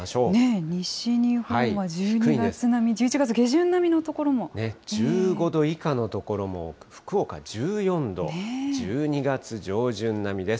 西日本は１２月並み、１１月１５度以下の所も多く、福岡１４度、１２月上旬並みです。